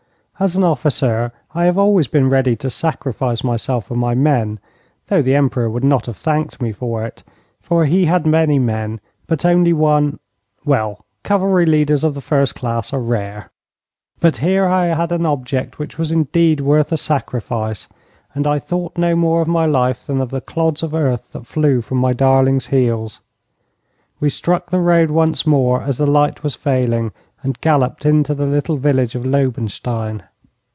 As an officer, I have always been ready to sacrifice myself for my men, though the Emperor would not have thanked me for it, for he had many men, but only one well, cavalry leaders of the first class are rare. But here I had an object which was indeed worth a sacrifice, and I thought no more of my life than of the clods of earth that flew from my darling's heels. We struck the road once more as the light was failing, and galloped into the little village of Lobenstein.